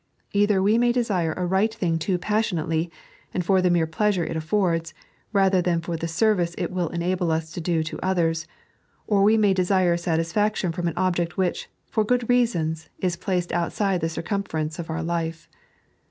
Either we may desire a right thing too passionately, and for the mere pleasure it affords, rather than for the service it will enable us to do to others ; or we may desire satisfaction from an object which, for good reasons, is placed outside the circumference of our life.